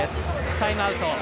タイムアウト。